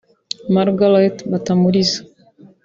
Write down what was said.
Margaret Batamuriza